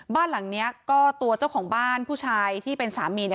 บ้านหลังนี้ก็ตัวเจ้าของบ้านผู้ชายที่เป็นสามีเนี่ย